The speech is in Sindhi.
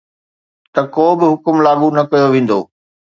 ته ڪو به حڪم لاڳو نه ڪيو ويندو